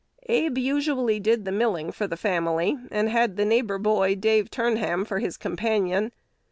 Abe usually did the milling for the family, and had the neighbor boy, Dave Turnham, for his companion.